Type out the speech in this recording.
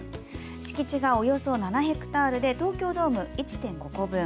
敷地が、およそ７ヘクタールで東京ドーム１．５個分。